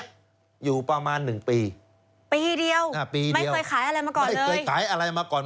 อยู่ประมาณ๑ปีปีเดียวไม่เคยขายอะไรมาก่อนเลย